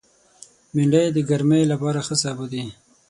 بېنډۍ د ګرمۍ لپاره ښه سابه دی